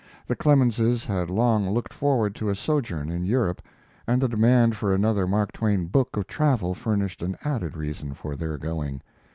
The Clemenses had long looked forward to a sojourn in Europe, and the demand for another Mark Twain book of travel furnished an added reason for their going.